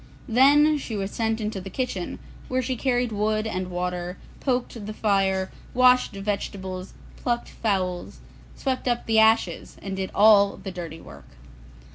Then she was sent into the kitchen, where she carried wood and water, poked the fire, washed vegetables, plucked fowls, swept up the ashes, and did all the dirty work.